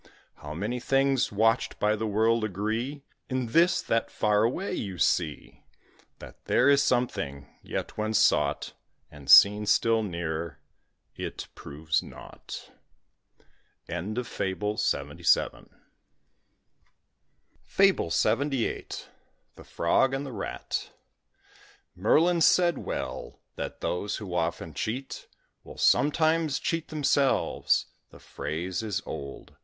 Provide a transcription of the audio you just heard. How many things watched by the world agree In this that far away you see That there is something, yet when sought, And seen still nearer, it proves nought. FABLE LXXVIII. THE FROG AND THE RAT. Merlin said well, that those who often cheat Will sometimes cheat themselves the phrase is old.